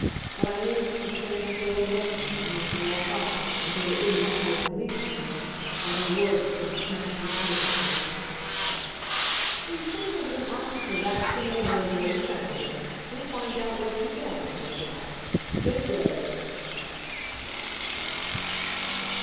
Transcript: But I managed to stand still and listen, and then to walk off, as though it didn't matter in the least to me, while her words came smashing the hope out of me. "We've sent her with an officer back to the neighborhood where you found her. He'll find out where she belongs, no doubt. Good day."